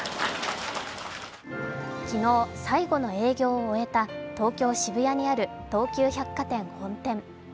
昨日、最後の営業を終えた東京・渋谷にある東急百貨店本店。